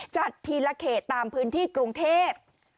จัดทีละเขตตามพื้นที่กรุงเทพ